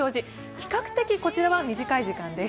比較的こちらは短い時間です。